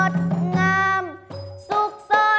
ธรรมดา